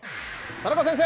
田中先生！